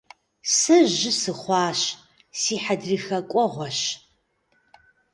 Сэ жьы сыхъуащ, си хьэдрыхэ кӀуэгъуэщ.